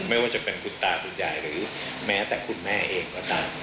ไม่ว่าจะเป็นคุณตาคุณยายหรือแม้แต่คุณแม่เองก็ตาม